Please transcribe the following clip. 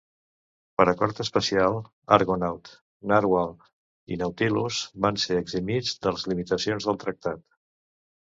Per acord especial, "Argonaut", "Narwhal" i "Nautilus" van ser eximits de les limitacions del tractat.